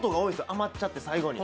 余っちゃって、最後に。